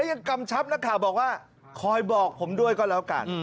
ยังกำชับนักข่าวบอกว่าคอยบอกผมด้วยก็แล้วกัน